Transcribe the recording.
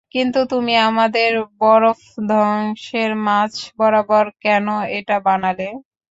কিন্তু তুমি আমাদের বরফধ্বসের মাঝ-বরাবর কেন এটা বানালে?